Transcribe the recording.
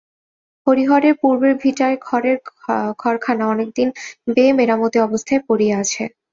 হরিহরের পূর্বের ভিটায় খড়ের ঘরখানা অনেকদিন বে-মেরামতি অবস্থায় পড়িয়া আছে।